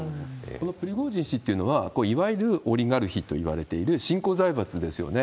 このプリゴジン氏というのは、いわゆるオリガルヒといわれている新興財閥ですよね。